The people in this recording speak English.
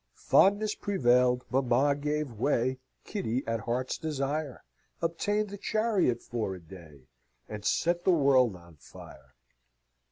'Fondness prevailed, mamma gave way, Kitty at heart's desire Obtained the chariot for a day, And set the world on fire!'"